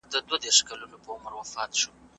¬ چيري چي زړه ځي، هلته پښې ځي.